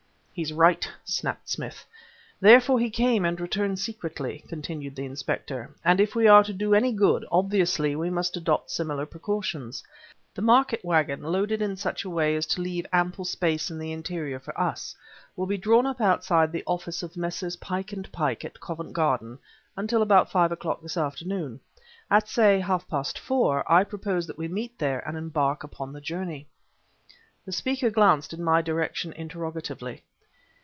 "He's right," snapped Smith. "Therefore he came and returned secretly," continued the inspector; "and if we are to do any good, obviously we must adopt similar precautions. The market wagon, loaded in such a way as to leave ample space in the interior for us, will be drawn up outside the office of Messrs. Pike and Pike, in Covent Garden, until about five o'clock this afternoon. At, say, half past four, I propose that we meet there and embark upon the journey." The speaker glanced in my direction interrogatively.